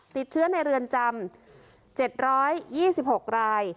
ติดเชื้อในเรือนจำเจ็ดร้อยยี่สิบหกราย